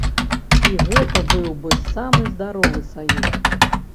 І гэта быў бы самы здаровы саюз.